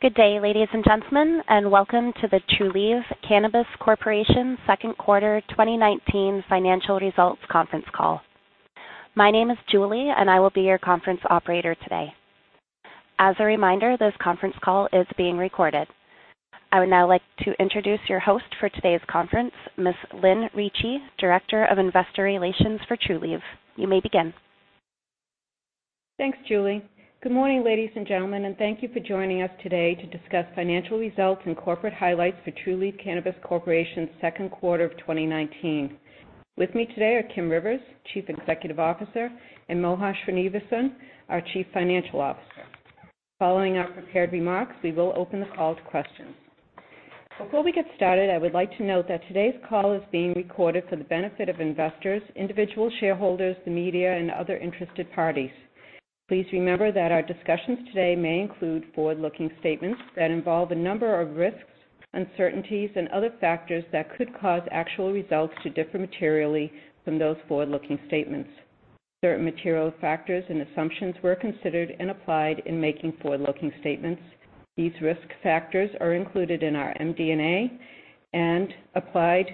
Good day, ladies and gentlemen, and welcome to the Trulieve Cannabis Corp. second quarter 2019 financial results conference call. My name is Julie, and I will be your conference operator today. As a reminder, this conference call is being recorded. I would now like to introduce your host for today's conference, Ms. Lynn Ricci, Director of Investor Relations for Trulieve. You may begin. Thanks, Julie. Good morning, ladies and gentlemen, and thank you for joining us today to discuss financial results and corporate highlights for Trulieve Cannabis Corp.'s second quarter of 2019. With me today are Kim Rivers, Chief Executive Officer, and Mohan Srinivasan, our Chief Financial Officer. Following our prepared remarks, we will open the call to questions. Before we get started, I would like to note that today's call is being recorded for the benefit of investors, individual shareholders, the media, and other interested parties. Please remember that our discussions today may include forward-looking statements that involve a number of risks, uncertainties, and other factors that could cause actual results to differ materially from those forward-looking statements. Certain material factors and assumptions were considered and applied in making forward-looking statements. These risk factors are included in our MD&A and applied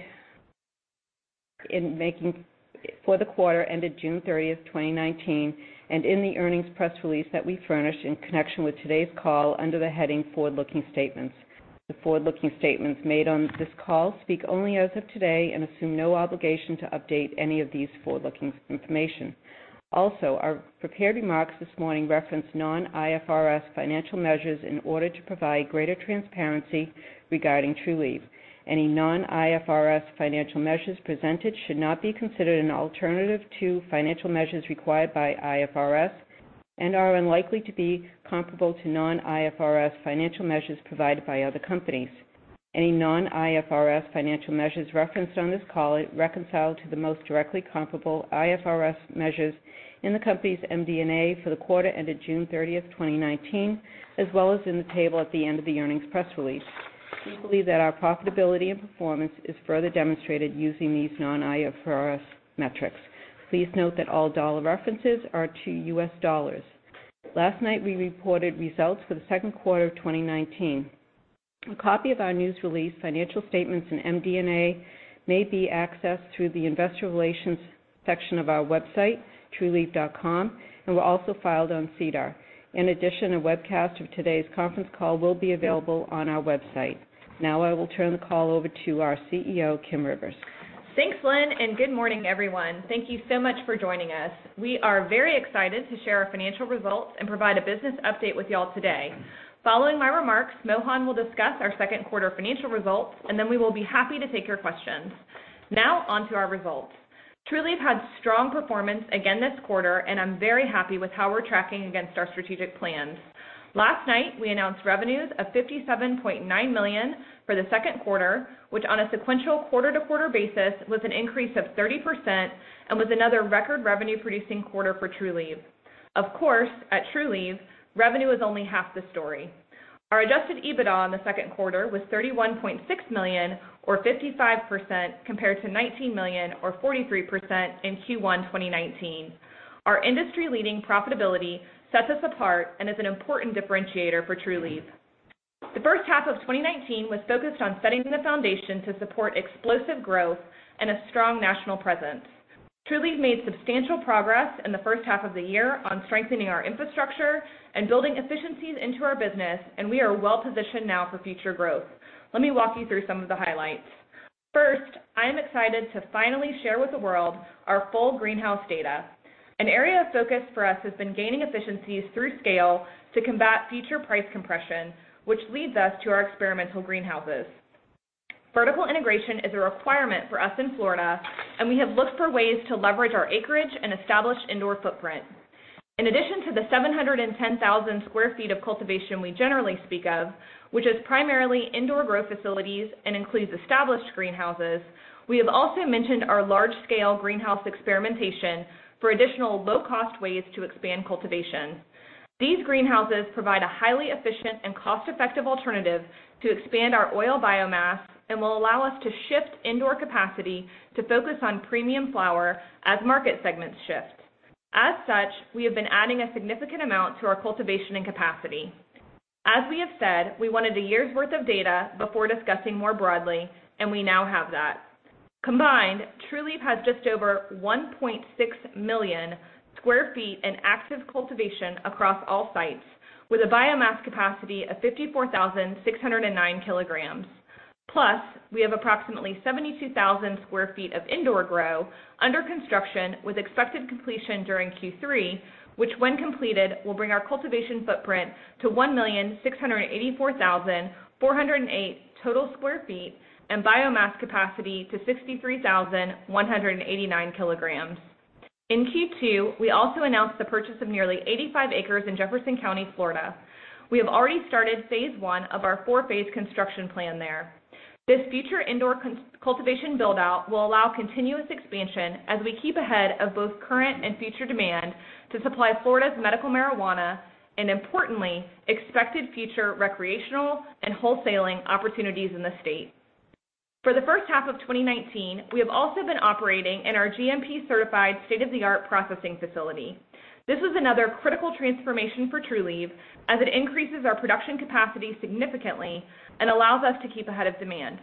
for the quarter ended June 30th, 2019, and in the earnings press release that we furnish in connection with today's call under the heading Forward-looking Statements. The forward-looking statements made on this call speak only as of today and assume no obligation to update any of this forward-looking information. Also, our prepared remarks this morning reference non-IFRS financial measures in order to provide greater transparency regarding Trulieve. Any non-IFRS financial measures presented should not be considered an alternative to financial measures required by IFRS and are unlikely to be comparable to non-IFRS financial measures provided by other companies. Any non-IFRS financial measures referenced on this call reconcile to the most directly comparable IFRS measures in the company's MD&A for the quarter ended June 30th, 2019, as well as in the table at the end of the earnings press release. We believe that our profitability and performance is further demonstrated using these non-IFRS metrics. Please note that all dollar references are to U.S. dollars. Last night, we reported results for the second quarter of 2019. A copy of our news release, financial statements, and MD&A may be accessed through the investor relations section of our website, trulieve.com, and were also filed on SEDAR. A webcast of today's conference call will be available on our website. I will turn the call over to our CEO, Kim Rivers. Thanks, Lynn. Good morning, everyone. Thank you so much for joining us. We are very excited to share our financial results and provide a business update with you all today. Following my remarks, Mohan will discuss our second quarter financial results. Then we will be happy to take your questions. Now, on to our results. Trulieve had strong performance again this quarter. I'm very happy with how we're tracking against our strategic plans. Last night, we announced revenues of $57.9 million for the second quarter, which on a sequential quarter-to-quarter basis was an increase of 30% and was another record revenue-producing quarter for Trulieve. Of course, at Trulieve, revenue is only half the story. Our adjusted EBITDA in the second quarter was $31.6 million, or 55%, compared to $19 million, or 43%, in Q1 2019. Our industry-leading profitability sets us apart and is an important differentiator for Trulieve. The first half of 2019 was focused on setting the foundation to support explosive growth and a strong national presence. Trulieve made substantial progress in the first half of the year on strengthening our infrastructure and building efficiencies into our business, and we are well-positioned now for future growth. Let me walk you through some of the highlights. First, I am excited to finally share with the world our full greenhouse data. An area of focus for us has been gaining efficiencies through scale to combat future price compression, which leads us to our experimental greenhouses. Vertical integration is a requirement for us in Florida, and we have looked for ways to leverage our acreage and establish indoor footprint. In addition to the 710,000 sq ft of cultivation we generally speak of, which is primarily indoor growth facilities and includes established greenhouses, we have also mentioned our large-scale greenhouse experimentation for additional low-cost ways to expand cultivation. These greenhouses provide a highly efficient and cost-effective alternative to expand our oil biomass and will allow us to shift indoor capacity to focus on premium flower as market segments shift. We have been adding a significant amount to our cultivation and capacity. As we have said, we wanted a year's worth of data before discussing more broadly, and we now have that. Combined, Trulieve has just over 1.6 million sq ft in active cultivation across all sites, with a biomass capacity of 54,609 kilograms. We have approximately 72,000 square feet of indoor grow under construction with expected completion during Q3, which when completed, will bring our cultivation footprint to 1,684,408 total square feet and biomass capacity to 63,189 kilograms. In Q2, we also announced the purchase of nearly 85 acres in Jefferson County, Florida. We have already started phase 1 of our four-phase construction plan there. This future indoor cultivation build-out will allow continuous expansion as we keep ahead of both current and future demand to supply Florida's medical marijuana, and importantly, expected future recreational and wholesaling opportunities in the state. For the first half of 2019, we have also been operating in our GMP-certified state-of-the-art processing facility. This was another critical transformation for Trulieve as it increases our production capacity significantly and allows us to keep ahead of demand.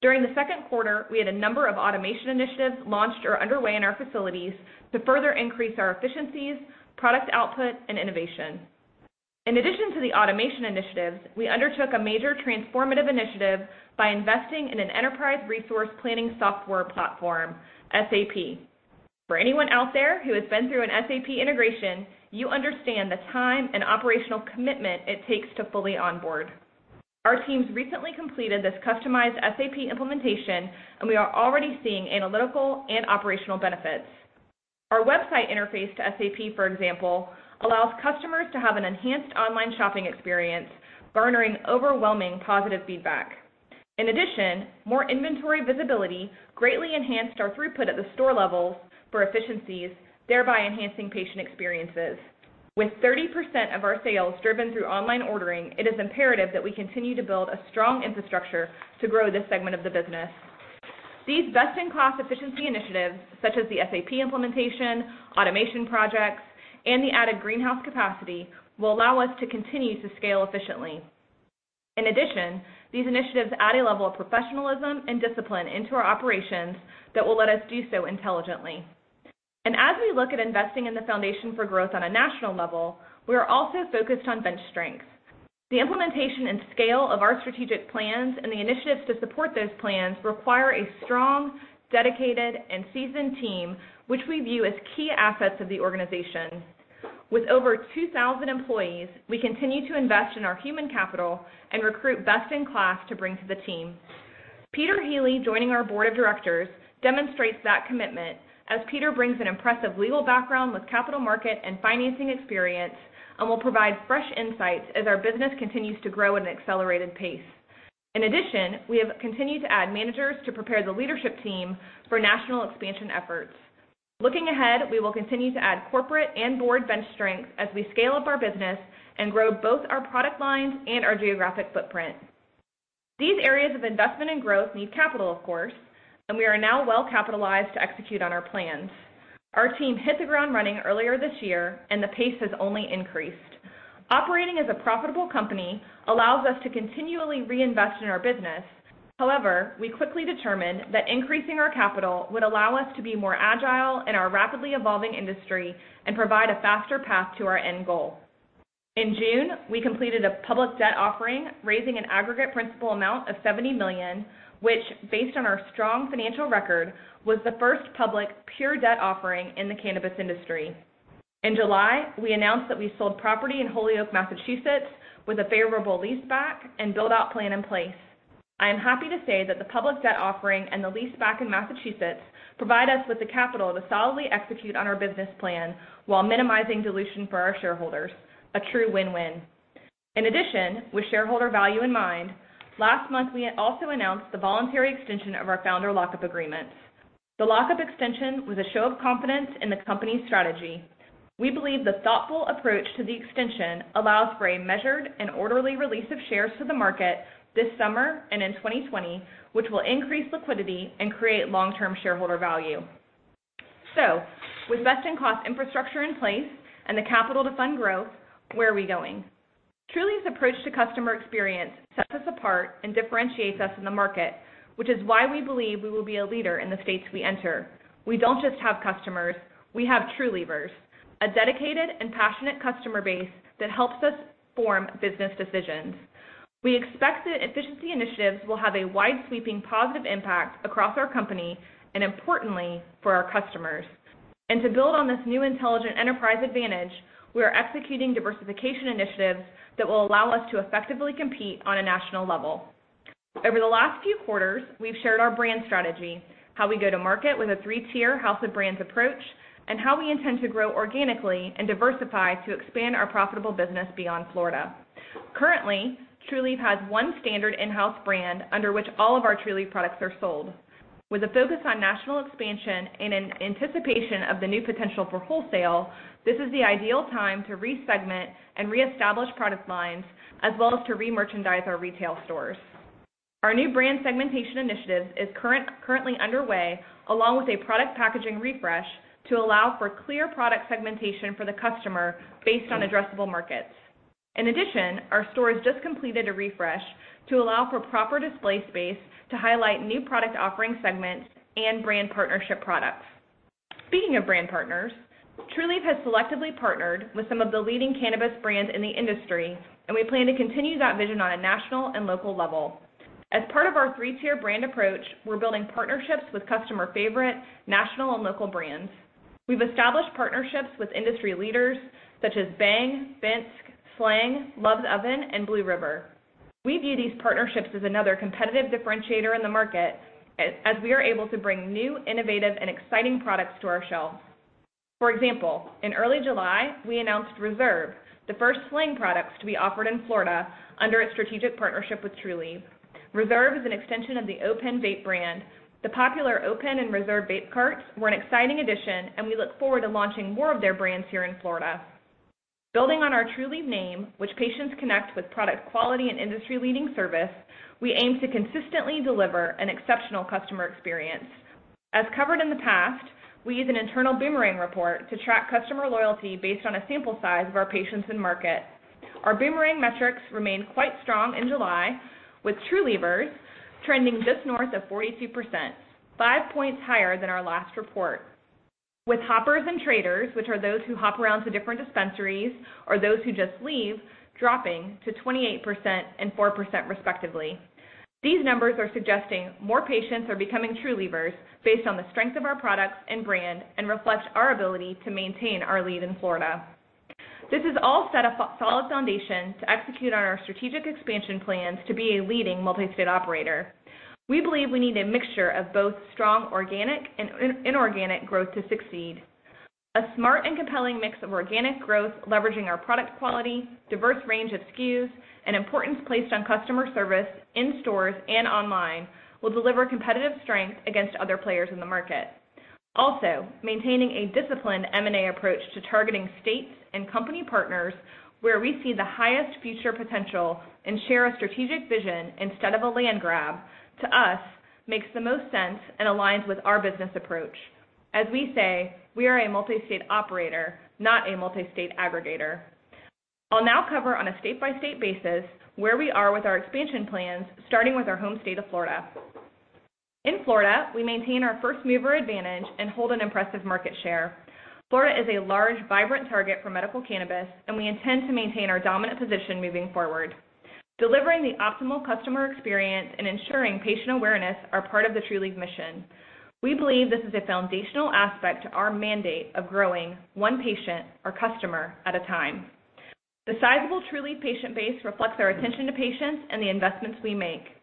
During the second quarter, we had a number of automation initiatives launched or underway in our facilities to further increase our efficiencies, product output, and innovation. In addition to the automation initiatives, we undertook a major transformative initiative by investing in an enterprise resource planning software platform, SAP. For anyone out there who has been through an SAP integration, you understand the time and operational commitment it takes to fully onboard. Our teams recently completed this customized SAP implementation, and we are already seeing analytical and operational benefits. Our website interface to SAP, for example, allows customers to have an enhanced online shopping experience, garnering overwhelming positive feedback. In addition, more inventory visibility greatly enhanced our throughput at the store levels for efficiencies, thereby enhancing patient experiences. With 30% of our sales driven through online ordering, it is imperative that we continue to build a strong infrastructure to grow this segment of the business. These best-in-class efficiency initiatives, such as the SAP implementation, automation projects, and the added greenhouse capacity, will allow us to continue to scale efficiently. In addition, these initiatives add a level of professionalism and discipline into our operations that will let us do so intelligently. As we look at investing in the foundation for growth on a national level, we are also focused on bench strength. The implementation and scale of our strategic plans and the initiatives to support those plans require a strong, dedicated, and seasoned team, which we view as key assets of the organization. With over 2,000 employees, we continue to invest in our human capital and recruit best-in-class to bring to the team. Peter Healy joining our board of directors demonstrates that commitment, as Peter brings an impressive legal background with capital market and financing experience and will provide fresh insights as our business continues to grow at an accelerated pace. In addition, we have continued to add managers to prepare the leadership team for national expansion efforts. Looking ahead, we will continue to add corporate and board bench strength as we scale up our business and grow both our product lines and our geographic footprint. These areas of investment and growth need capital, of course, and we are now well-capitalized to execute on our plans. Our team hit the ground running earlier this year, and the pace has only increased. Operating as a profitable company allows us to continually reinvest in our business. However, we quickly determined that increasing our capital would allow us to be more agile in our rapidly evolving industry and provide a faster path to our end goal. In June, we completed a public debt offering, raising an aggregate principal amount of $70 million, which, based on our strong financial record, was the first public pure debt offering in the cannabis industry. In July, we announced that we sold property in Holyoke, Massachusetts, with a favorable leaseback and build-out plan in place. I am happy to say that the public debt offering and the leaseback in Massachusetts provide us with the capital to solidly execute on our business plan while minimizing dilution for our shareholders. A true win-win. In addition, with shareholder value in mind, last month, we also announced the voluntary extension of our founder lock-up agreements. The lock-up extension was a show of confidence in the company's strategy. We believe the thoughtful approach to the extension allows for a measured and orderly release of shares to the market this summer and in 2020, which will increase liquidity and create long-term shareholder value. Where are we going? Trulieve's approach to customer experience sets us apart and differentiates us in the market, which is why we believe we will be a leader in the states we enter. We don't just have customers, we have Trulievers, a dedicated and passionate customer base that helps us form business decisions. We expect the efficiency initiatives will have a wide-sweeping, positive impact across our company and importantly for our customers. To build on this new intelligent enterprise advantage, we are executing diversification initiatives that will allow us to effectively compete on a national level. Over the last few quarters, we've shared our brand strategy, how we go to market with a three-tier house of brands approach, and how we intend to grow organically and diversify to expand our profitable business beyond Florida. Currently, Trulieve has one standard in-house brand under which all of our Trulieve products are sold. With a focus on national expansion in anticipation of the new potential for wholesale, this is the ideal time to re-segment and reestablish product lines, as well as to re-merchandise our retail stores. Our New Brand Segmentation Initiative is currently underway, along with a product packaging refresh to allow for clear product segmentation for the customer based on addressable markets. In addition, our stores just completed a refresh to allow for proper display space to highlight new product offering segments and brand partnership products. Speaking of brand partners, Trulieve has selectively partnered with some of the leading cannabis brands in the industry, and we plan to continue that vision on a national and local level. As part of our 3-tier brand approach, we're building partnerships with customer favorite national and local brands. We've established partnerships with industry leaders such as Bhang, Binske, SLANG, Love's Oven, and Blue River. We view these partnerships as another competitive differentiator in the market as we are able to bring new, innovative, and exciting products to our shelves. For example, in early July, we announced Reserve, the first SLANG products to be offered in Florida under a strategic partnership with Trulieve. Reserve is an extension of the O.penVAPE brand. The popular O.pen and Reserve vape carts were an exciting addition. We look forward to launching more of their brands here in Florida. Building on our Trulieve name, which patients connect with product quality and industry-leading service, we aim to consistently deliver an exceptional customer experience. As covered in the past, we use an internal boomerang report to track customer loyalty based on a sample size of our patients in market. Our boomerang metrics remain quite strong in July, with Trulievers trending just north of 42%, five points higher than our last report. With hoppers and traders, which are those who hop around to different dispensaries or those who just leave, dropping to 28% and 4% respectively. These numbers are suggesting more patients are becoming Trulievers based on the strength of our products and brand and reflect our ability to maintain our lead in Florida. This has all set a solid foundation to execute on our strategic expansion plans to be a leading multi-state operator. We believe we need a mixture of both strong organic and inorganic growth to succeed. A smart and compelling mix of organic growth, leveraging our product quality, diverse range of SKUs, and importance placed on customer service in stores and online, will deliver competitive strength against other players in the market. Also, maintaining a disciplined M&A approach to targeting states and company partners where we see the highest future potential and share a strategic vision instead of a land grab, to us, makes the most sense and aligns with our business approach. As we say, we are a multi-state operator, not a multi-state aggregator. I'll now cover on a state-by-state basis where we are with our expansion plans, starting with our home state of Florida. In Florida, we maintain our first-mover advantage and hold an impressive market share. Florida is a large, vibrant target for medical cannabis, and we intend to maintain our dominant position moving forward. Delivering the optimal customer experience and ensuring patient awareness are part of the Trulieve mission. We believe this is a foundational aspect to our mandate of growing one patient or customer at a time. The sizable Trulieve patient base reflects our attention to patients and the investments we make.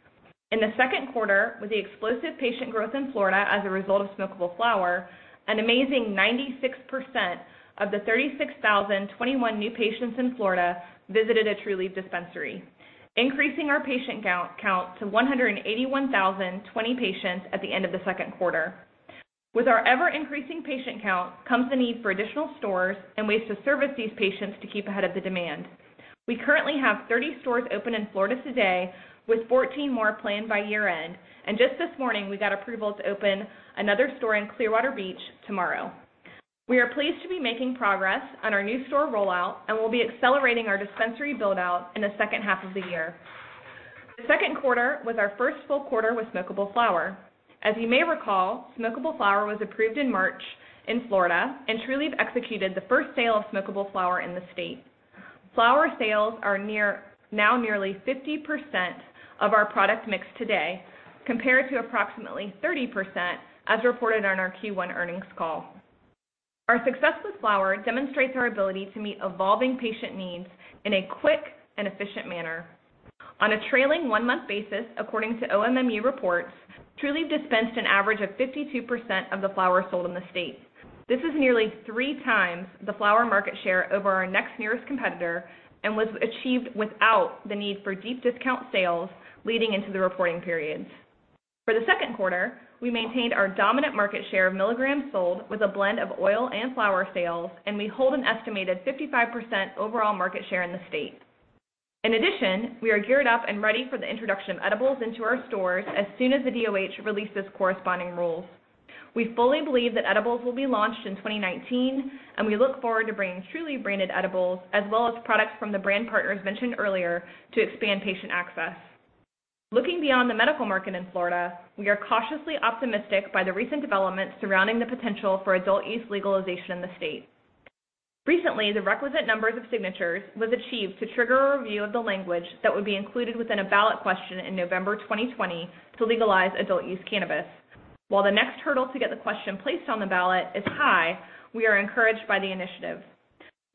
In the second quarter, with the explosive patient growth in Florida as a result of smokable flower, an amazing 96% of the 36,021 new patients in Florida visited a Trulieve dispensary, increasing our patient count to 181,020 patients at the end of the second quarter. With our ever-increasing patient count comes the need for additional stores and ways to service these patients to keep ahead of the demand. We currently have 30 stores open in Florida today, with 14 more planned by year-end. Just this morning, we got approval to open another store in Clearwater Beach tomorrow. We are pleased to be making progress on our new store rollout and will be accelerating our dispensary build-out in the second half of the year. The second quarter was our first full quarter with smokable flower. As you may recall, smokable flower was approved in March in Florida, and Trulieve executed the first sale of smokable flower in the state. Flower sales are now nearly 50% of our product mix today, compared to approximately 30% as reported on our Q1 earnings call. Our success with flower demonstrates our ability to meet evolving patient needs in a quick and efficient manner. On a trailing 1-month basis, according to OMMU reports, Trulieve dispensed an average of 52% of the flower sold in the state. This is nearly 3 times the flower market share over our next nearest competitor and was achieved without the need for deep discount sales leading into the reporting periods. For the second quarter, we maintained our dominant market share of milligrams sold with a blend of oil and flower sales, and we hold an estimated 55% overall market share in the state. In addition, we are geared up and ready for the introduction of edibles into our stores as soon as the DOH releases corresponding rules. We fully believe that edibles will be launched in 2019, and we look forward to bringing Trulieve branded edibles, as well as products from the brand partners mentioned earlier, to expand patient access. Looking beyond the medical market in Florida, we are cautiously optimistic by the recent developments surrounding the potential for adult-use legalization in the state. Recently, the requisite numbers of signatures was achieved to trigger a review of the language that would be included within a ballot question in November 2020 to legalize adult use cannabis. While the next hurdle to get the question placed on the ballot is high, we are encouraged by the initiative.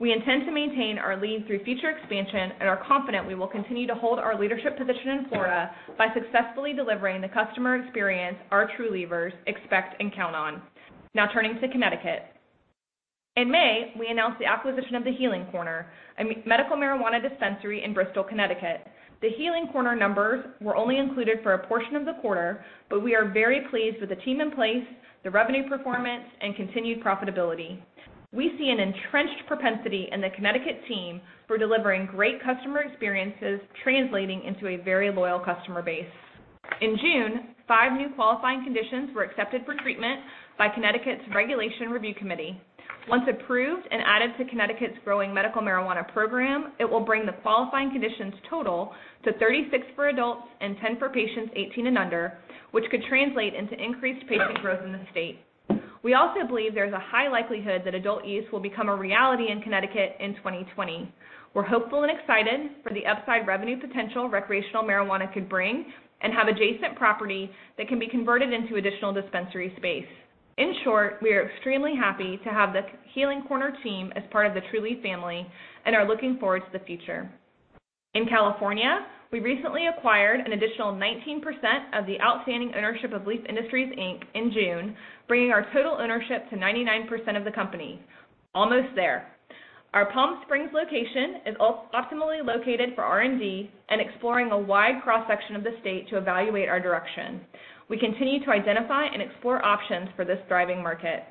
We intend to maintain our lead through future expansion and are confident we will continue to hold our leadership position in Florida by successfully delivering the customer experience our Trulievers expect and count on. Now turning to Connecticut. In May, we announced the acquisition of The Healing Corner, a medical marijuana dispensary in Bristol, Connecticut. The Healing Corner numbers were only included for a portion of the quarter, but we are very pleased with the team in place, the revenue performance, and continued profitability. We see an entrenched propensity in the Connecticut team for delivering great customer experiences, translating into a very loyal customer base. In June, five new qualifying conditions were accepted for treatment by Connecticut's Regulation Review Committee. Once approved and added to Connecticut's growing medical marijuana program, it will bring the qualifying conditions total to 36 for adults and 10 for patients 18 and under, which could translate into increased patient growth in the state. We also believe there's a high likelihood that adult use will become a reality in Connecticut in 2020. We're hopeful and excited for the upside revenue potential recreational marijuana could bring and have adjacent property that can be converted into additional dispensary space. In short, we are extremely happy to have the Healing Corner team as part of the Trulieve family and are looking forward to the future. In California, we recently acquired an additional 19% of the outstanding ownership of Leef Industries, Inc in June, bringing our total ownership to 99% of the company. Almost there. Our Palm Springs location is optimally located for R&D and exploring a wide cross-section of the state to evaluate our direction. We continue to identify and explore options for this thriving market.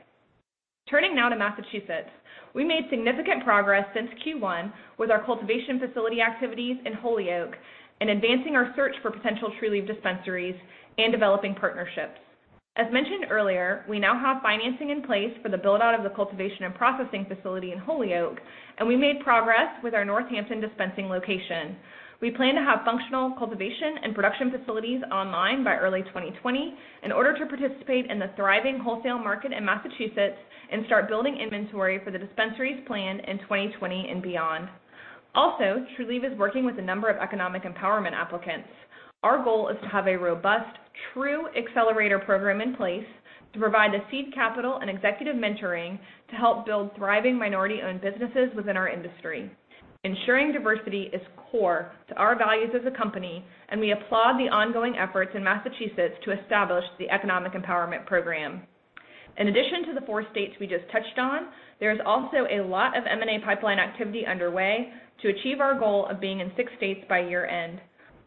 Turning now to Massachusetts. We made significant progress since Q1 with our cultivation facility activities in Holyoke and advancing our search for potential Trulieve dispensaries and developing partnerships. As mentioned earlier, we now have financing in place for the build-out of the cultivation and processing facility in Holyoke. We made progress with our Northampton dispensing location. We plan to have functional cultivation and production facilities online by early 2020 in order to participate in the thriving wholesale market in Massachusetts and start building inventory for the dispensaries planned in 2020 and beyond. Also, Trulieve is working with a number of economic empowerment applicants. Our goal is to have a robust Trulieve accelerator program in place to provide the seed capital and executive mentoring to help build thriving minority-owned businesses within our industry. Ensuring diversity is core to our values as a company, and we applaud the ongoing efforts in Massachusetts to establish the economic empowerment program. In addition to the four states we just touched on, there is also a lot of M&A pipeline activity underway to achieve our goal of being in six states by year-end.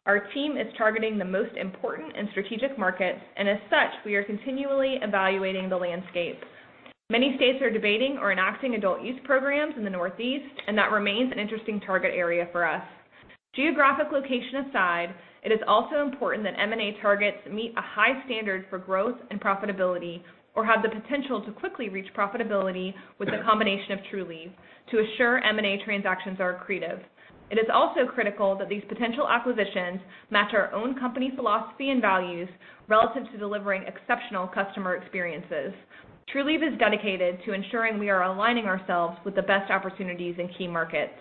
Our team is targeting the most important and strategic markets, and as such, we are continually evaluating the landscape. Many states are debating or enacting adult-use programs in the Northeast, and that remains an interesting target area for us. Geographic location aside, it is also important that M&A targets meet a high standard for growth and profitability or have the potential to quickly reach profitability with the combination of Trulieve to assure M&A transactions are accretive. It is also critical that these potential acquisitions match our own company philosophy and values relative to delivering exceptional customer experiences. Trulieve is dedicated to ensuring we are aligning ourselves with the best opportunities in key markets.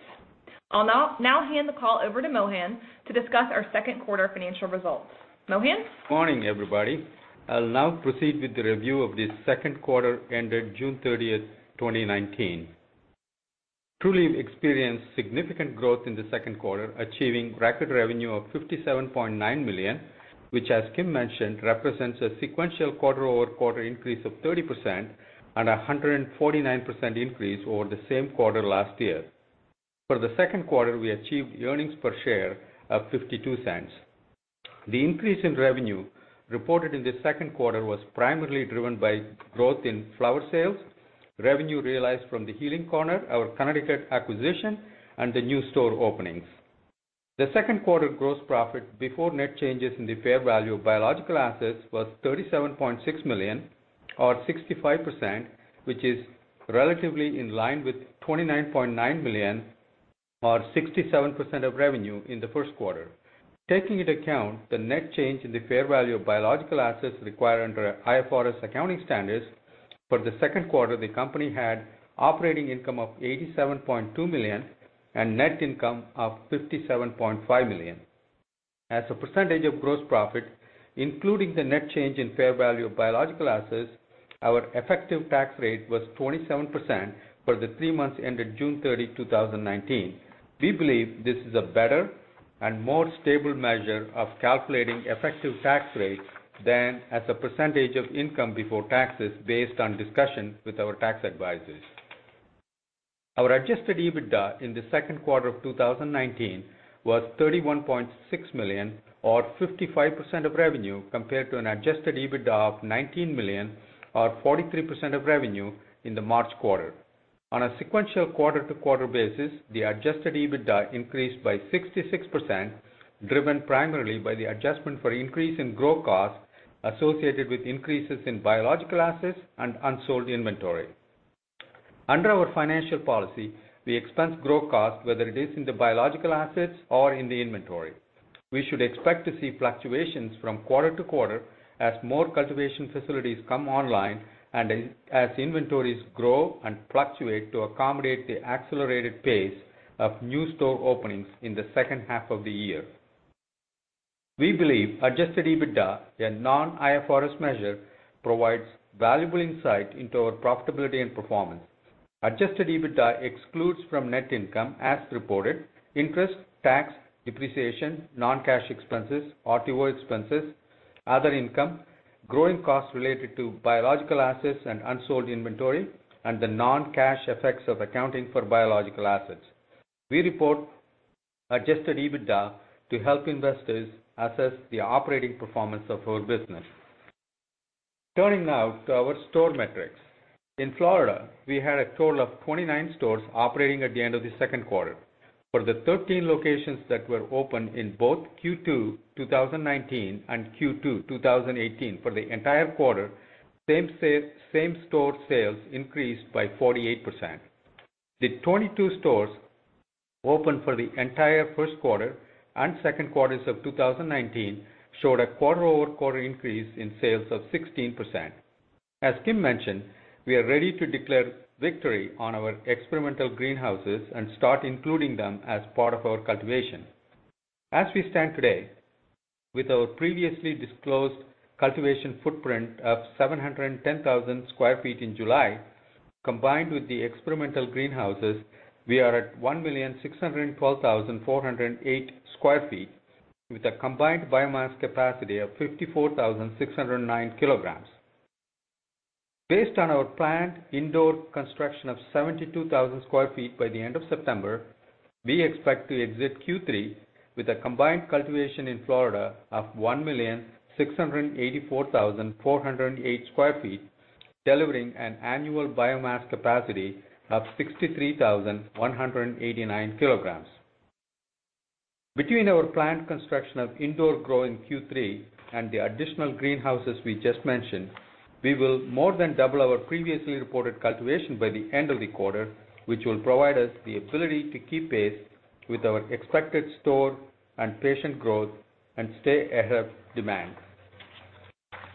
I'll now hand the call over to Mohan to discuss our second quarter financial results. Mohan? Morning, everybody. I'll now proceed with the review of the second quarter ended June 30th, 2019. Trulieve experienced significant growth in the second quarter, achieving record revenue of $57.9 million, which as Kim mentioned, represents a sequential quarter-over-quarter increase of 30% and 149% increase over the same quarter last year. For the second quarter, we achieved earnings per share of $0.52. The increase in revenue reported in the second quarter was primarily driven by growth in flower sales, revenue realized from The Healing Corner, our Connecticut acquisition, and the new store openings. The second quarter gross profit before net changes in the fair value of biological assets was $37.6 million, or 65%, which is relatively in line with $29.9 million, or 67% of revenue in the first quarter. Taking into account the net change in the fair value of biological assets required under IFRS accounting standards for the second quarter, the company had operating income of $87.2 million and net income of $57.5 million. As a percentage of gross profit, including the net change in fair value of biological assets, our effective tax rate was 27% for the three months ended June 30, 2019. We believe this is a better and more stable measure of calculating effective tax rates than as a percentage of income before taxes based on discussions with our tax advisors. Our adjusted EBITDA in the second quarter of 2019 was $31.6 million or 55% of revenue, compared to an adjusted EBITDA of $19 million or 43% of revenue in the March quarter. On a sequential quarter-to-quarter basis, the adjusted EBITDA increased by 66%, driven primarily by the adjustment for increase in grow costs associated with increases in biological assets and unsold inventory. Under our financial policy, we expense grow costs whether it is in the biological assets or in the inventory. We should expect to see fluctuations from quarter to quarter as more cultivation facilities come online and as inventories grow and fluctuate to accommodate the accelerated pace of new store openings in the second half of the year. We believe adjusted EBITDA, a non-IFRS measure, provides valuable insight into our profitability and performance. Adjusted EBITDA excludes from net income as reported, interest, tax, depreciation, non-cash expenses, RTO expenses, other income, growing costs related to biological assets and unsold inventory, and the non-cash effects of accounting for biological assets. We report adjusted EBITDA to help investors assess the operating performance of our business. Turning now to our store metrics. In Florida, we had a total of 29 stores operating at the end of the second quarter. For the 13 locations that were opened in both Q2 2019 and Q2 2018 for the entire quarter, same-store sales increased by 48%. The 22 stores opened for the entire first quarter and second quarters of 2019 showed a quarter-over-quarter increase in sales of 16%. As Kim mentioned, we are ready to declare victory on our experimental greenhouses and start including them as part of our cultivation. As we stand today, with our previously disclosed cultivation footprint of 710,000 sq ft in July, combined with the experimental greenhouses, we are at 1,612,408 sq ft with a combined biomass capacity of 54,609 kg. Based on our planned indoor construction of 72,000 sq ft by the end of September, we expect to exit Q3 with a combined cultivation in Florida of 1,684,408 sq ft, delivering an annual biomass capacity of 63,189 kg. Between our planned construction of indoor grow in Q3 and the additional greenhouses we just mentioned, we will more than double our previously reported cultivation by the end of the quarter, which will provide us the ability to keep pace with our expected store and patient growth and stay ahead of demand.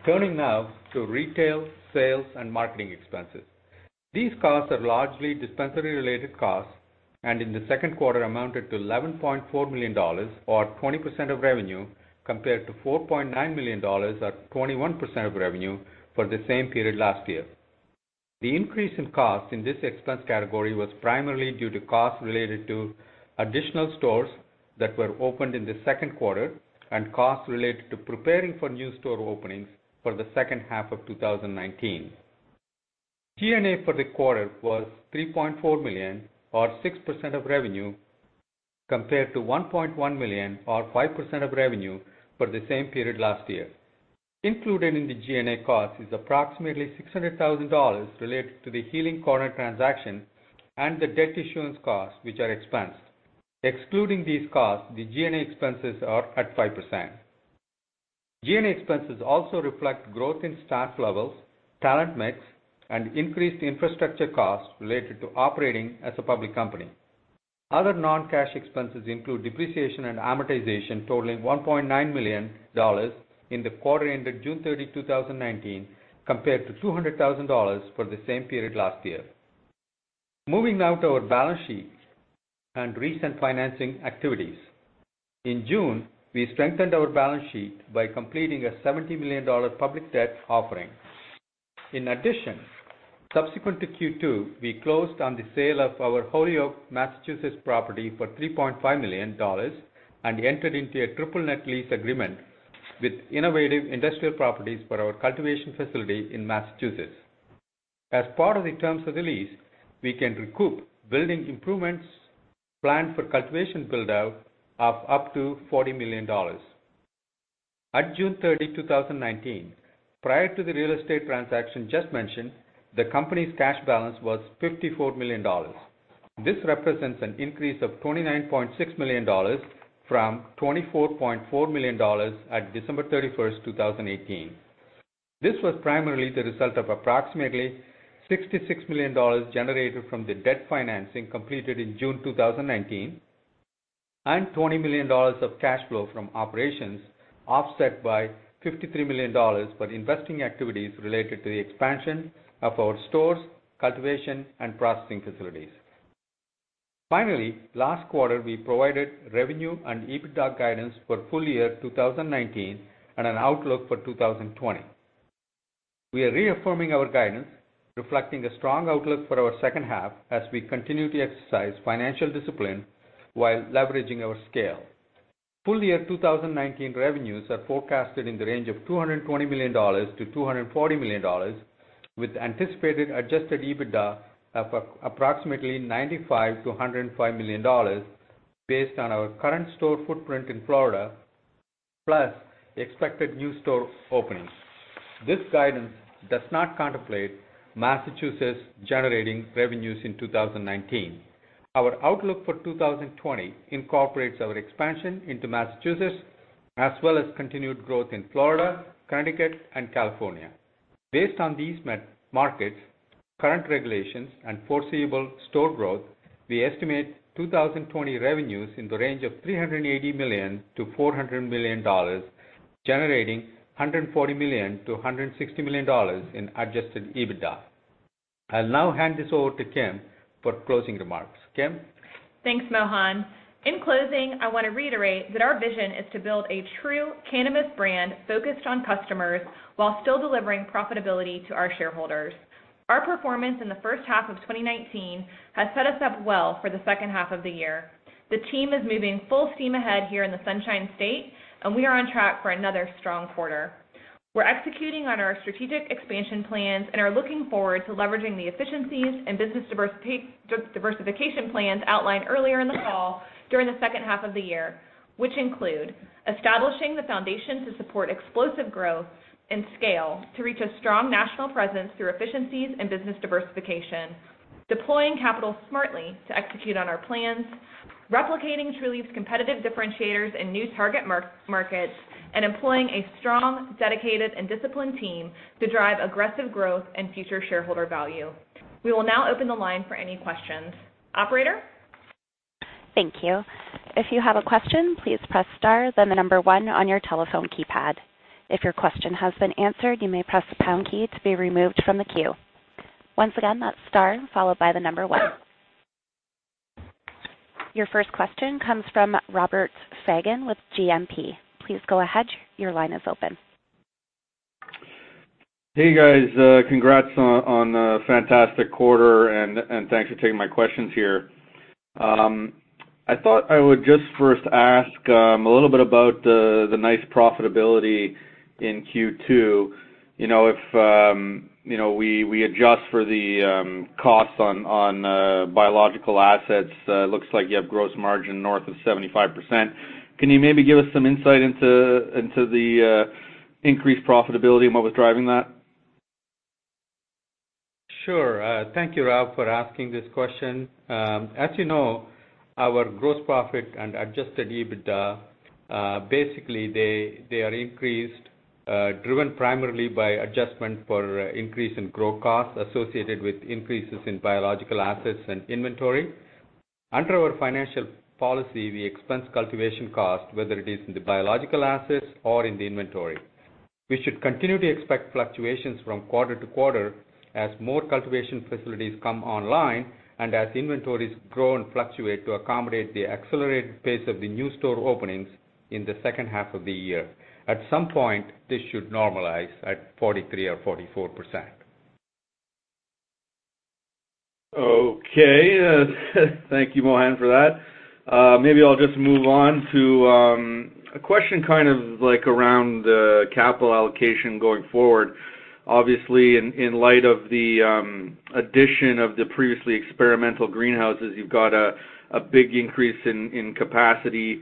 Turning now to retail, sales, and marketing expenses. These costs are largely dispensary-related costs, and in the second quarter amounted to $11.4 million, or 20% of revenue, compared to $4.9 million, or 21% of revenue for the same period last year. The increase in costs in this expense category was primarily due to costs related to additional stores that were opened in the second quarter and costs related to preparing for new store openings for the second half of 2019. G&A for the quarter was $3.4 million, or 6% of revenue, compared to $1.1 million, or 5% of revenue for the same period last year. Included in the G&A cost is approximately $600,000 related to The Healing Corner transaction and the debt issuance costs, which are expensed. Excluding these costs, the G&A expenses are at 5%. G&A expenses also reflect growth in staff levels, talent mix, and increased infrastructure costs related to operating as a public company. Other non-cash expenses include depreciation and amortization totaling $1.9 million in the quarter ended June 30, 2019, compared to $200,000 for the same period last year. Moving now to our balance sheet and recent financing activities. In June, we strengthened our balance sheet by completing a $70 million public debt offering. In addition, subsequent to Q2, we closed on the sale of our Holyoke, Massachusetts property for $3.5 million and entered into a triple net lease agreement with Innovative Industrial Properties for our cultivation facility in Massachusetts. As part of the terms of the lease, we can recoup building improvements planned for cultivation build-out of up to $40 million. At June 30, 2019, prior to the real estate transaction just mentioned, the company's cash balance was $54 million. This represents an increase of $29.6 million from $24.4 million at December 31st, 2018. This was primarily the result of approximately $66 million generated from the debt financing completed in June 2019 and $20 million of cash flow from operations, offset by $53 million for investing activities related to the expansion of our stores, cultivation, and processing facilities. Finally, last quarter, we provided revenue and EBITDA guidance for full year 2019 and an outlook for 2020. We are reaffirming our guidance, reflecting a strong outlook for our second half as we continue to exercise financial discipline while leveraging our scale. Full year 2019 revenues are forecasted in the range of $220 million-$240 million, with anticipated adjusted EBITDA of approximately $95 million-$105 million based on our current store footprint in Florida, plus expected new store openings. This guidance does not contemplate Massachusetts generating revenues in 2019. Our outlook for 2020 incorporates our expansion into Massachusetts, as well as continued growth in Florida, Connecticut, and California. Based on these markets, current regulations, and foreseeable store growth, we estimate 2020 revenues in the range of $380 million-$400 million, generating $140 million-$160 million in adjusted EBITDA. I'll now hand this over to Kim for closing remarks. Kim? Thanks, Mohan. In closing, I want to reiterate that our vision is to build a true cannabis brand focused on customers while still delivering profitability to our shareholders. Our performance in the first half of 2019 has set us up well for the second half of the year. The team is moving full steam ahead here in the Sunshine State, and we are on track for another strong quarter. We're executing on our strategic expansion plans and are looking forward to leveraging the efficiencies and business diversification plans outlined earlier in the call during the second half of the year, which include establishing the foundation to support explosive growth and scale to reach a strong national presence through efficiencies and business diversification, deploying capital smartly to execute on our plans, replicating Trulieve's competitive differentiators in new target markets, and employing a strong, dedicated, and disciplined team to drive aggressive growth and future shareholder value. We will now open the line for any questions. Operator? Thank you. If you have a question, please press star then the number one on your telephone keypad. If your question has been answered, you may press the pound key to be removed from the queue. Once again, that's star followed by the number one. Your first question comes from Robert Fagan with GMP. Please go ahead. Your line is open. Hey, guys. Congrats on a fantastic quarter. Thanks for taking my questions here. I thought I would just first ask a little bit about the nice profitability in Q2. If we adjust for the costs on biological assets, it looks like you have gross margin north of 75%. Can you maybe give us some insight into the increased profitability and what was driving that? Sure. Thank you, Rob, for asking this question. As you know, our gross profit and adjusted EBITDA, basically they are increased, driven primarily by adjustment for increase in grow costs associated with increases in biological assets and inventory. Under our financial policy, we expense cultivation cost, whether it is in the biological assets or in the inventory. We should continue to expect fluctuations from quarter to quarter as more cultivation facilities come online and as inventories grow and fluctuate to accommodate the accelerated pace of the new store openings in the second half of the year. At some point, this should normalize at 43% or 44%. Okay. Thank you, Mohan, for that. Maybe I'll just move on to a question kind of around the capital allocation going forward. Obviously, in light of the addition of the previously experimental greenhouses, you've got a big increase in capacity,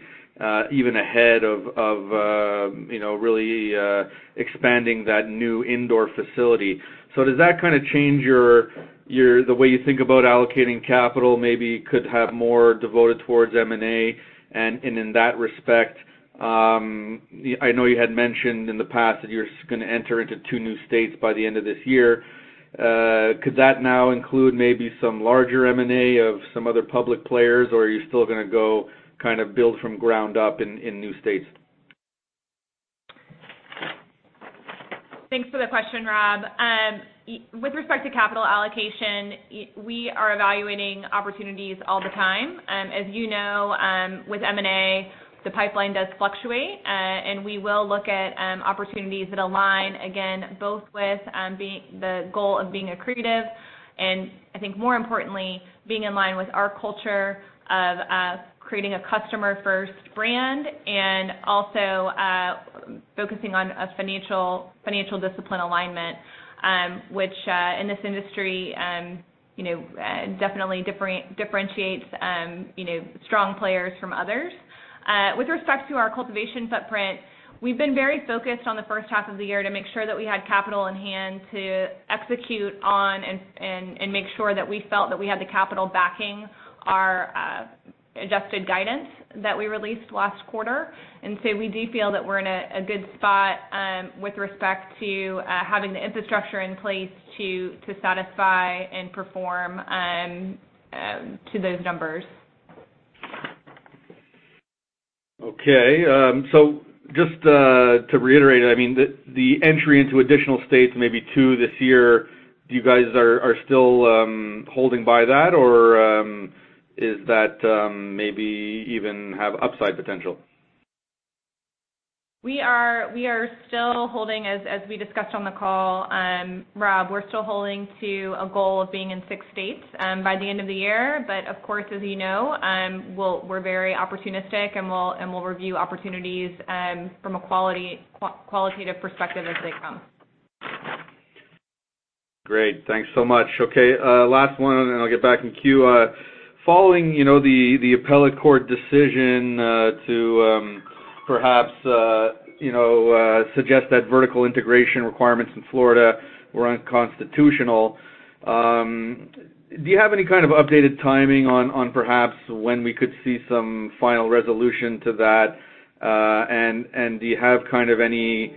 even ahead of really expanding that new indoor facility. Does that kind of change the way you think about allocating capital, maybe could have more devoted towards M&A? In that respect, I know you had mentioned in the past that you're going to enter into two new states by the end of this year. Could that now include maybe some larger M&A of some other public players, or are you still going to go kind of build from ground up in new states? Thanks for the question, Rob. With respect to capital allocation, we are evaluating opportunities all the time. As you know, with M&A, the pipeline does fluctuate, and we will look at opportunities that align, again, both with the goal of being accretive, and I think more importantly, being in line with our culture of creating a customer-first brand and also focusing on a financial discipline alignment, which, in this industry, definitely differentiates strong players from others. With respect to our cultivation footprint, we've been very focused on the first half of the year to make sure that we had capital in hand to execute on and make sure that we felt that we had the capital backing our adjusted guidance that we released last quarter. We do feel that we're in a good spot with respect to having the infrastructure in place to satisfy and perform to those numbers. Okay. Just to reiterate, the entry into additional states, maybe two this year, you guys are still holding by that, or does that maybe even have upside potential? We are still holding, as we discussed on the call, Rob, we're still holding to a goal of being in six states by the end of the year. Of course, as you know, we're very opportunistic and we'll review opportunities from a qualitative perspective as they come. Great. Thanks so much. Okay, last one, and then I'll get back in queue. Following the appellate court decision to perhaps suggest that vertical integration requirements in Florida were unconstitutional, do you have any kind of updated timing on perhaps when we could see some final resolution to that? Do you have any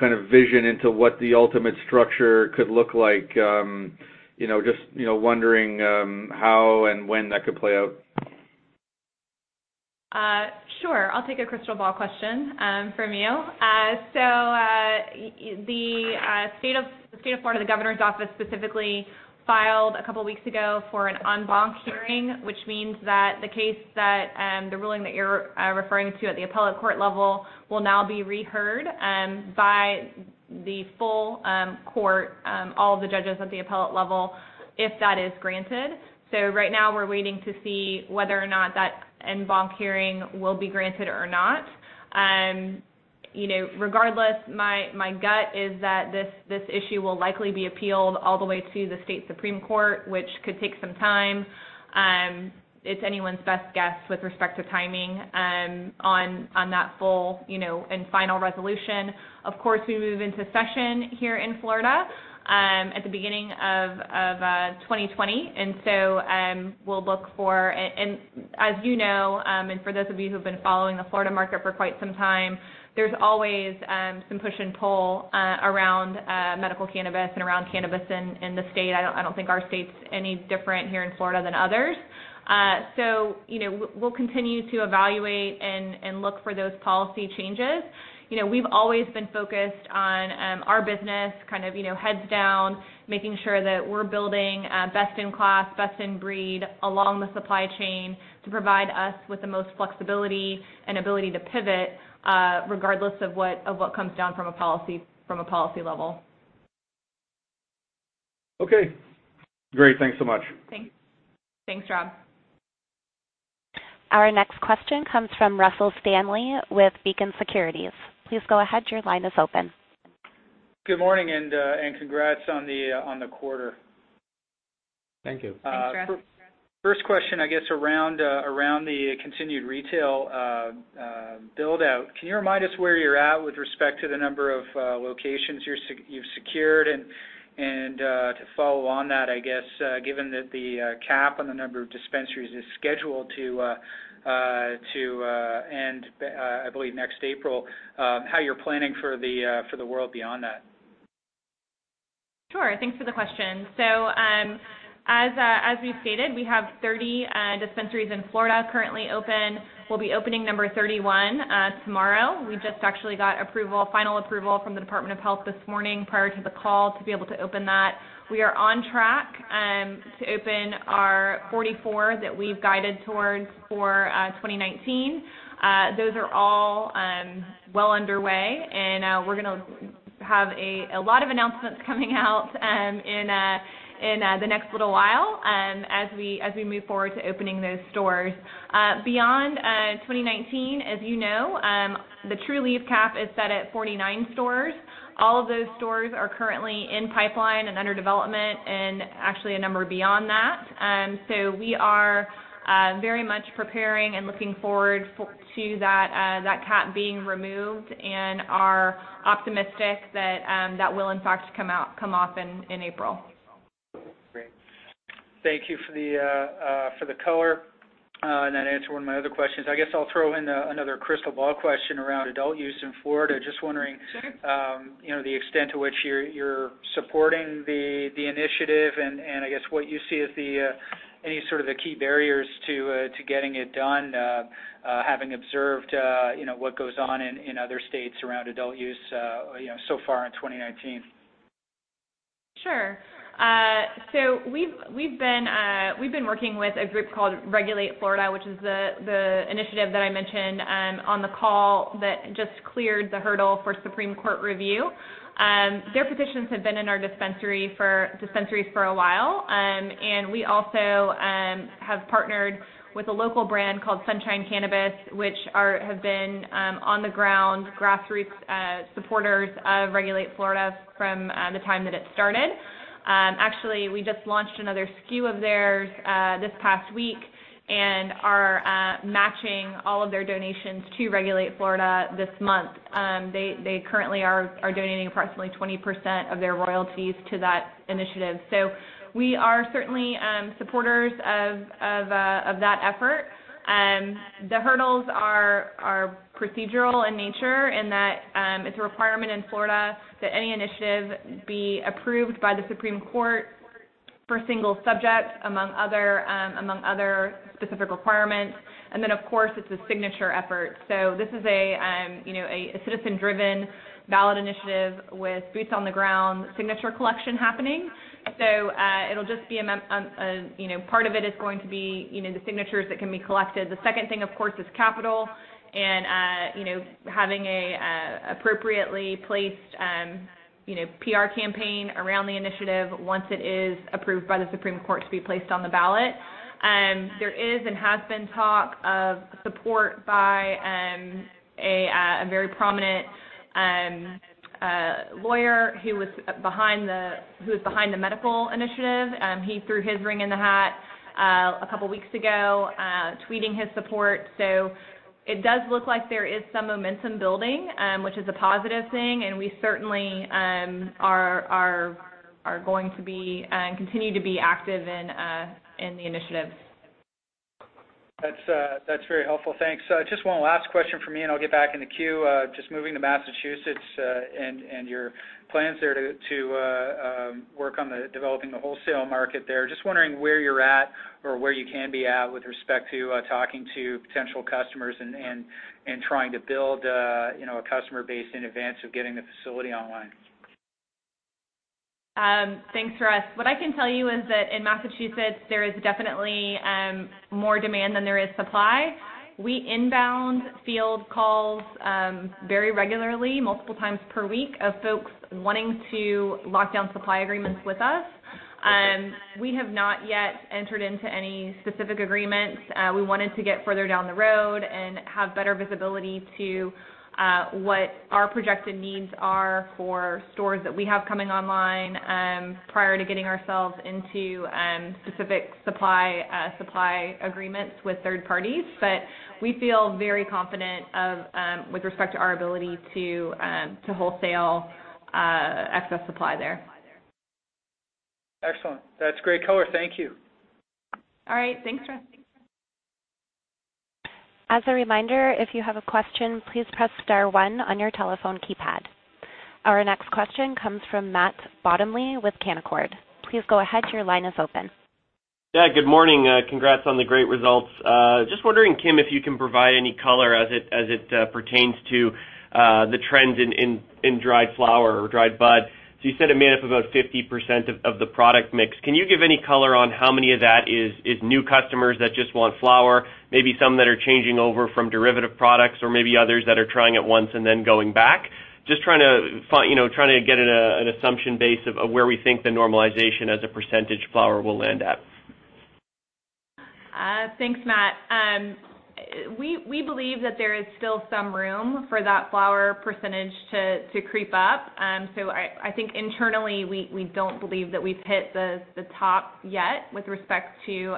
kind of vision into what the ultimate structure could look like? Just wondering how and when that could play out. Sure. I'll take a crystal ball question from you. The State of Florida, the governor's office specifically, filed a couple of weeks ago for an en banc hearing, which means that the case that the ruling that you're referring to at the appellate court level will now be reheard by the full court, all the judges at the appellate level, if that is granted. Right now we're waiting to see whether or not that en banc hearing will be granted or not. Regardless, my gut is that this issue will likely be appealed all the way to the state supreme court, which could take some time. It's anyone's best guess with respect to timing on that full and final resolution. Of course, we move into session here in Florida at the beginning of 2020. As you know, and for those of you who've been following the Florida market for quite some time, there's always some push and pull around medical cannabis and around cannabis in the state. I don't think our state's any different here in Florida than others. We'll continue to evaluate and look for those policy changes. We've always been focused on our business, kind of heads down, making sure that we're building best in class, best in breed along the supply chain to provide us with the most flexibility and ability to pivot regardless of what comes down from a policy level. Okay, great. Thanks so much. Thanks, Rob. Our next question comes from Russell Stanley with Beacon Securities. Please go ahead. Your line is open. Good morning, and congrats on the quarter. Thank you. Thanks, Russ. First question, I guess around the continued retail build-out. Can you remind us where you're at with respect to the number of locations you've secured? To follow on that, I guess, given that the cap on the number of dispensaries is scheduled to end, I believe next April, how you're planning for the world beyond that? Sure. Thanks for the question. As we've stated, we have 30 dispensaries in Florida currently open. We'll be opening number 31 tomorrow. We just actually got final approval from the Department of Health this morning prior to the call to be able to open that. We are on track to open our 44 that we've guided towards for 2019. Those are all well underway and we're going to have a lot of announcements coming out in the next little while as we move forward to opening those stores. Beyond 2019, as you know, the Trulieve cap is set at 49 stores. All of those stores are currently in pipeline and under development and actually a number beyond that. We are very much preparing and looking forward to that cap being removed and are optimistic that will in fact come off in April. Great. Thank you for the color. And that answered one of my other questions. I guess I'll throw in another crystal ball question around adult use in Florida. Sure the extent to which you're supporting the initiative and I guess what you see as any sort of the key barriers to getting it done, having observed what goes on in other states around adult use so far in 2019. Sure. We've been working with a group called Regulate Florida, which is the initiative that I mentioned on the call that just cleared the hurdle for Supreme Court review. Their petitions have been in our dispensaries for a while. We also have partnered with a local brand called Sunshine Cannabis, which have been on-the-ground grassroots supporters of Regulate Florida from the time that it started. Actually, we just launched another SKU of theirs this past week and are matching all of their donations to Regulate Florida this month. They currently are donating approximately 20% of their royalties to that initiative. We are certainly supporters of that effort. The hurdles are procedural in nature in that it's a requirement in Florida that any initiative be approved by the Supreme Court for single subject, among other specific requirements. Then, of course, it's a signature effort. This is a citizen-driven ballot initiative with boots-on-the-ground signature collection happening. Part of it is going to be the signatures that can be collected. The second thing, of course, is capital and having an appropriately placed PR campaign around the initiative once it is approved by the Supreme Court to be placed on the ballot. There is and has been talk of support by a very prominent lawyer who was behind the medical initiative. He threw his ring in the hat a couple of weeks ago, tweeting his support. It does look like there is some momentum building, which is a positive thing, and we certainly are going to be and continue to be active in the initiative. That's very helpful. Thanks. Just one last question from me, and I'll get back in the queue. Just moving to Massachusetts, and your plans there to work on developing the wholesale market there. Just wondering where you're at or where you can be at with respect to talking to potential customers and trying to build a customer base in advance of getting the facility online. Thanks, Russ. What I can tell you is that in Massachusetts, there is definitely more demand than there is supply. We inbound field calls very regularly, multiple times per week, of folks wanting to lock down supply agreements with us. Great. We have not yet entered into any specific agreements. We wanted to get further down the road and have better visibility to what our projected needs are for stores that we have coming online prior to getting ourselves into specific supply agreements with third parties. We feel very confident with respect to our ability to wholesale excess supply there. Excellent. That's great color. Thank you. All right. Thanks, Russ. As a reminder, if you have a question, please press star one on your telephone keypad. Our next question comes from Matt Bottomley with Canaccord. Please go ahead. Your line is open. Yeah, good morning. Congrats on the great results. Just wondering, Kim, if you can provide any color as it pertains to the trends in dried flower or dried bud. You said it made up about 50% of the product mix. Can you give any color on how many of that is new customers that just want flower, maybe some that are changing over from derivative products, or maybe others that are trying it once and then going back? Just trying to get an assumption base of where we think the normalization as a percentage flower will end at. Thanks, Matt. We believe that there is still some room for that flower % to creep up. I think internally, we don't believe that we've hit the top yet with respect to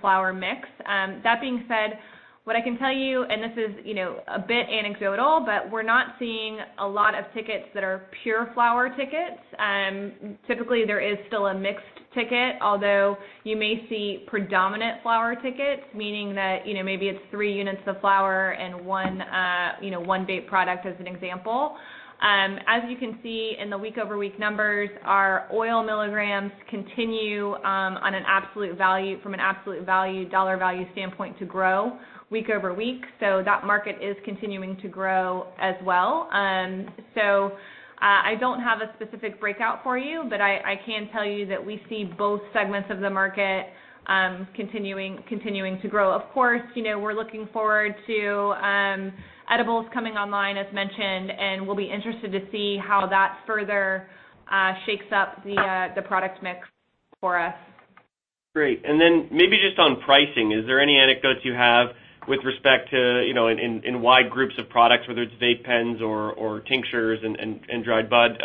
flower mix. That being said, what I can tell you, and this is a bit anecdotal, but we're not seeing a lot of tickets that are pure flower tickets. Typically, there is still a mixed ticket, although you may see predominant flower tickets, meaning that maybe it's three units of flower and one vape product as an example. As you can see in the week-over-week numbers, our oil milligrams continue from an absolute dollar value standpoint to grow week-over-week. That market is continuing to grow as well. I don't have a specific breakout for you, but I can tell you that we see both segments of the market continuing to grow. Of course, we're looking forward to edibles coming online, as mentioned, and we'll be interested to see how that further shakes up the product mix for us. Then maybe just on pricing, is there any anecdotes you have with respect to, in wide groups of products, whether it's vape pens or tinctures and dried bud,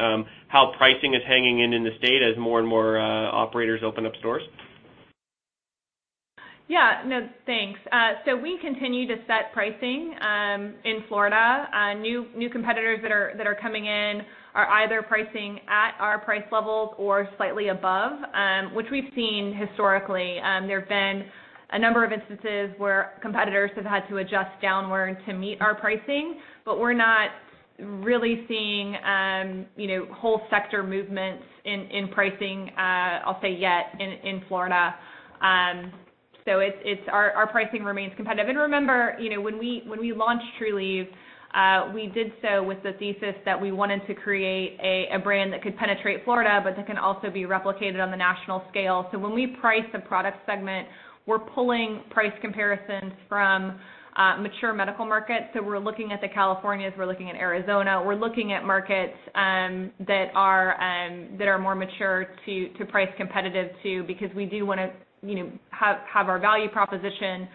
how pricing is hanging in in the state as more and more operators open up stores? Yeah. No, thanks. We continue to set pricing in Florida. New competitors that are coming in are either pricing at our price levels or slightly above, which we've seen historically. There have been a number of instances where competitors have had to adjust downward to meet our pricing, but we're not really seeing whole sector movements in pricing, I'll say yet, in Florida. Our pricing remains competitive. Remember, when we launched Trulieve, we did so with the thesis that we wanted to create a brand that could penetrate Florida, but that can also be replicated on the national scale. When we price a product segment, we're pulling price comparisons from mature medical markets. We're looking at the Californias, we're looking at Arizona, we're looking at markets that are more mature to price competitive too, because we do want to have our value proposition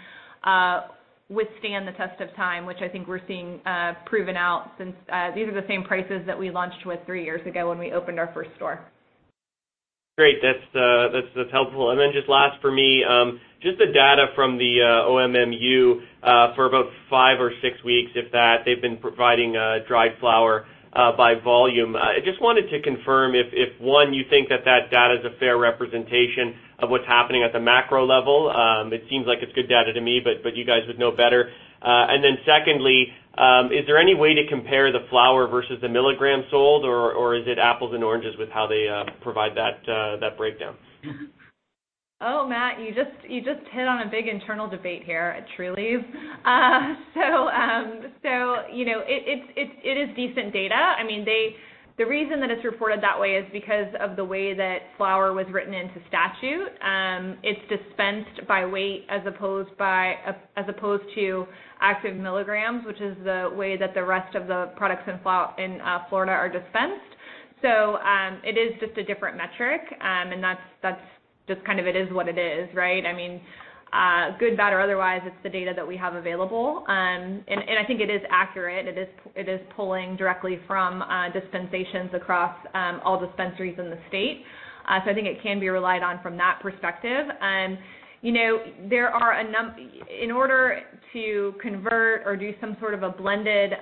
withstand the test of time, which I think we're seeing proven out since these are the same prices that we launched with three years ago when we opened our first store. Great. That's helpful. Last for me, just the data from the OMMU, for about five or six weeks, if that, they've been providing dried flower by volume. I just wanted to confirm if, one, you think that data is a fair representation of what's happening at the macro level. It seems like it's good data to me, you guys would know better. Secondly, is there any way to compare the flower versus the milligrams sold, or is it apples and oranges with how they provide that breakdown? Oh, Matt, you just hit on a big internal debate here at Trulieve. It is decent data. I mean, the reason that it's reported that way is because of the way that flower was written into statute. It's dispensed by weight as opposed to active milligrams, which is the way that the rest of the products in Florida are dispensed. It is just a different metric, and that's just kind of it is what it is, right? I mean, good, bad or otherwise, it's the data that we have available. I think it is accurate. It is pulling directly from dispensations across all dispensaries in the state. I think it can be relied on from that perspective. In order to convert or do some sort of a blended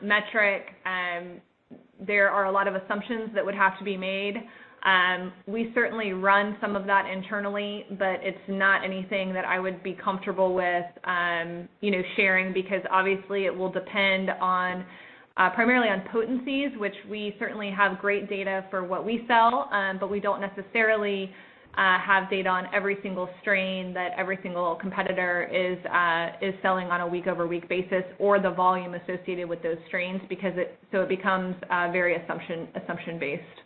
metric, there are a lot of assumptions that would have to be made. We certainly run some of that internally, but it's not anything that I would be comfortable with sharing because obviously it will depend primarily on potencies, which we certainly have great data for what we sell. We don't necessarily have data on every single strain that every single competitor is selling on a week-over-week basis or the volume associated with those strains. It becomes very assumption based.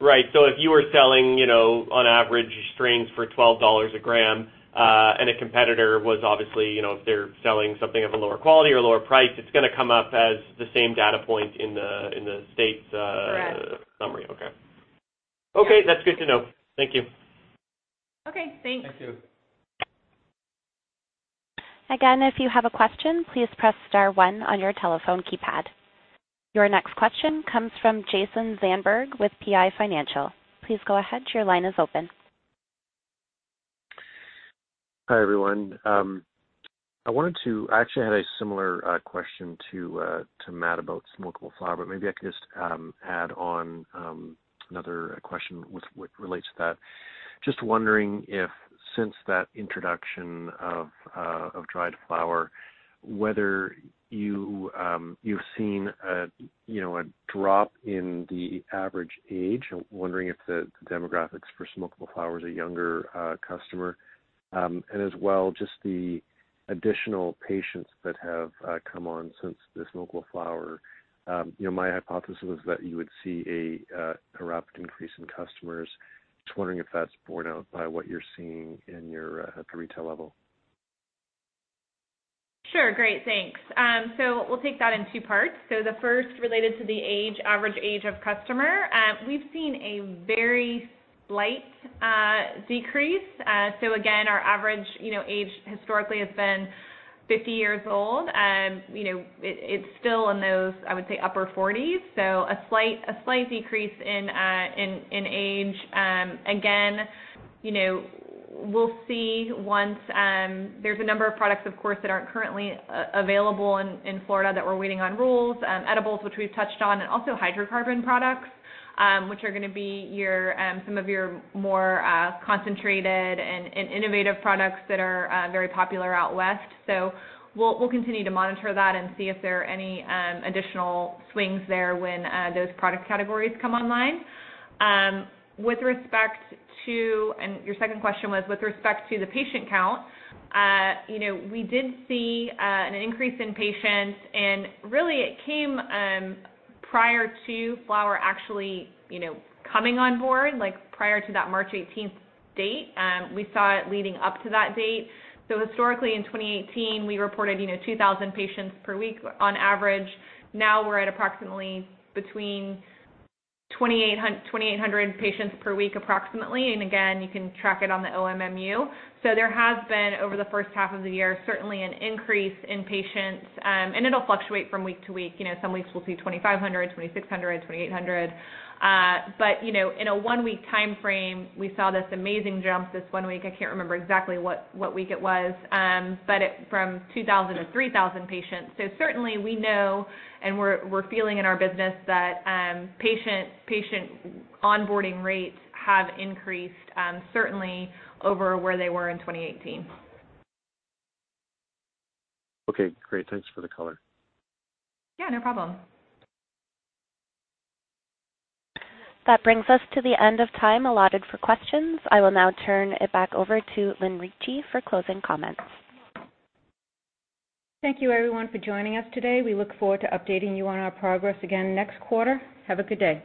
Right. If you were selling on average strains for $12 a gram, and a competitor was obviously, if they're selling something of a lower quality or lower price, it's going to come up as the same data point. Correct summary. Okay. Okay, that's good to know. Thank you. Okay, thanks. Thank you. Again, if you have a question, please press star one on your telephone keypad. Your next question comes from Jason Zandberg with PI Financial. Please go ahead. Your line is open. Hi, everyone. I actually had a similar question to Matt about smokable flower, but maybe I could just add on another question which relates to that. Just wondering if since that introduction of dried flower, whether you've seen a drop in the average age. I'm wondering if the demographics for smokable flower is a younger customer. As well, just the additional patients that have come on since the smokable flower. My hypothesis was that you would see a rapid increase in customers. Just wondering if that's borne out by what you're seeing at the retail level. Sure. Great. Thanks. We'll take that in two parts. The first related to the average age of customer. We've seen a very slight decrease. Again, our average age historically has been 50 years old. It's still in those, I would say, upper 40s, so a slight decrease in age. Again, we'll see. There's a number of products, of course, that aren't currently available in Florida that we're waiting on rules, edibles, which we've touched on, and also hydrocarbon products, which are going to be some of your more concentrated and innovative products that are very popular out West. We'll continue to monitor that and see if there are any additional swings there when those product categories come online. Your second question was with respect to the patient count. We did see an increase in patients, really it came prior to flower actually coming on board, prior to that March 18th date. We saw it leading up to that date. Historically in 2018, we reported 2,000 patients per week on average. Now we're at approximately between 2,800 patients per week approximately, again, you can track it on the OMMU. There has been, over the first half of the year, certainly an increase in patients. It'll fluctuate from week to week. Some weeks we'll see 2,500, 2,600, 2,800. In a one-week timeframe, we saw this amazing jump this one week, I can't remember exactly what week it was, from 2,000 to 3,000 patients. Certainly we know and we're feeling in our business that patient onboarding rates have increased, certainly over where they were in 2018. Okay, great. Thanks for the color. Yeah, no problem. That brings us to the end of time allotted for questions. I will now turn it back over to Lynn Ricci for closing comments. Thank you everyone for joining us today. We look forward to updating you on our progress again next quarter. Have a good day.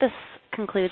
This concludes